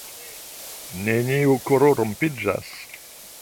neniu koro rompiĝas